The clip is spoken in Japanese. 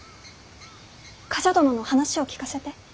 冠者殿の話を聞かせて。